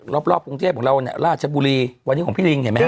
รอบกรุงเทพของเราเนี่ยราชบุรีวันนี้ของพี่ลิงเห็นไหมฮ